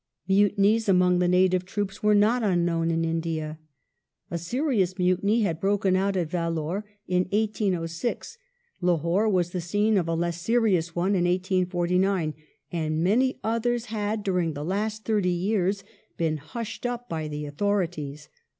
Mutinies among the native troops were not indeed unknown in India. A serious mutiny had broken out at Vellore in 1806; I^hore was the scene of a less serious one in 1849, and many others had, during the last thirty years, been hushed up by the authorities.